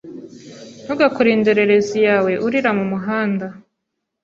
Ntugakore indorerezi yawe urira mumuhanda.